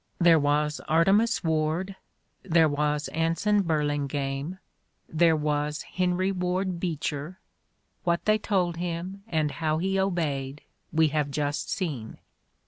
There was Artemus Ward, there was Anson Burling ame, thercN was Henry Ward Beecher: what they told him, and how he obeyed, we have just seen.